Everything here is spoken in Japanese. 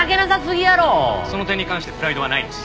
その点に関してプライドはないです。